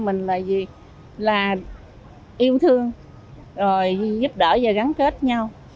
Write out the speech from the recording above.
mình là yêu thương rồi giúp đỡ và gắn kết nhau